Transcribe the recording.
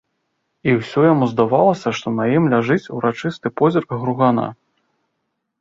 І ўсё яму здавалася, што на ім ляжыць урачысты позірк гругана.